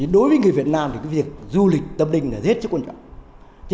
đối với người việt nam thì cái việc du lịch tâm linh là rất là quan trọng